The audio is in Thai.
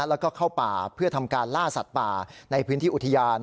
แล้วก็เข้าป่าเพื่อทำการล่าสัตว์ป่าในพื้นที่อุทยาน